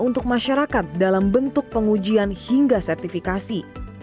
untuk masyarakat dalam bentuk pengujian hingga sertifikasi